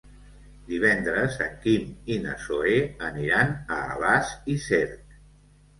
Divendres en Quim i na Zoè aniran a Alàs i Cerc.